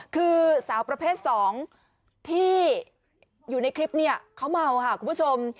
คือสาวประเภท๒ที่อยู่ในคลิปเนี่ยเขาเมาค่ะคุณผู้ชม